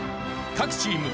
各チーム